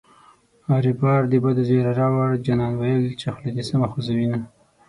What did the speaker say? ریبار د بدو زېری راووړـــ جانان ویل چې خوله دې سمه خوزوینه